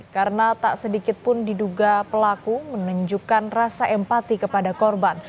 karena tak sedikit pun diduga pelaku menunjukkan rasa empati kepada korban